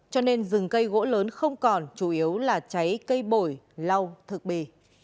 cây gỗ lớn không còn chủ yếu là cháy cây bổi lau thực bì